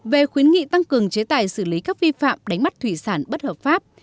về khuyến nghị tăng cường chế tài xử lý các vi phạm đánh bắt thủy sản bất hợp pháp